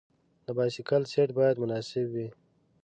د بایسکل سیټ باید مناسب وي.